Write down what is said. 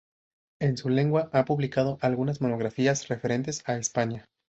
En su lengua ha publicado algunas monografías referentes a España.